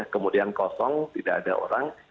kemudian kosong tidak ada orang